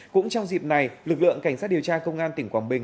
cũng trong dịp này lực lượng cảnh sát điều tra công an tỉnh quảng bình